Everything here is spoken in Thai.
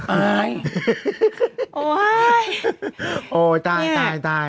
อ้ายโอ้ยโอ้ยตายตายตาย